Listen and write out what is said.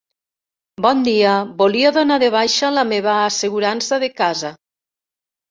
Bon dia, volia donar de baixa la meva assegurança de casa.